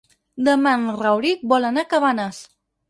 Demà en Rauric vol anar a Cabanes.